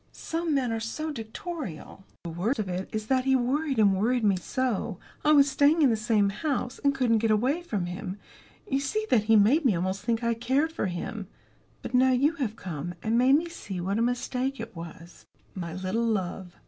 Some men are so dictatorial. "The worst of it is that he worried and worried me so I was staying in the same house, and couldn't get away from him, you see that he made me almost think I cared for him. But now you have come, and made me see what a mistake it was." "My little love."